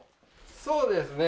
そうですね。